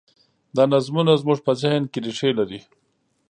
دا نظمونه زموږ په ذهن کې رېښې لري.